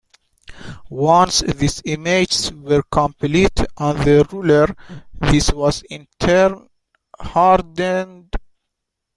Once these images were complete on the roller, this was in turn hardened.